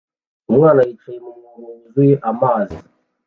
Umwana yicaye mu mwobo wuzuye amazi